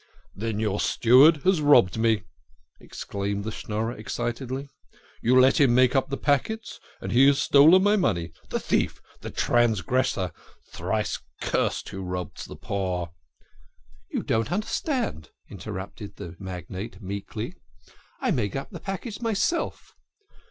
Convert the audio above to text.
" Then your steward has robbed me !" exclaimed the Schnorrer excitedly. " You let him make up the packets, and he has stolen my money the thief, the transgressor, thrice cursed who robs the poor." " You don't understand," interrupted the magnate meekly. " I made up the packets myself."